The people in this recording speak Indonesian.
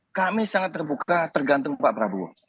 kami sangat terbuka tergantung pak prabowo